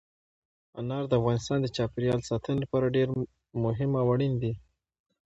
انار د افغانستان د چاپیریال ساتنې لپاره ډېر مهم او اړین دي.